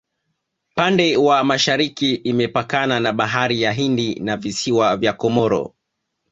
pande wa mashariki imepakana na bahari ya hindi na visiwa vya komoro